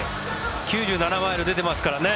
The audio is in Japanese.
９７マイル出ていますからね。